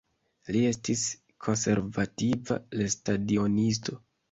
Li estis konservativa lestadionisto.